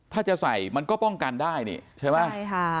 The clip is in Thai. ถ้าจะใส่มันก็ป้องกันได้ใช่ไหม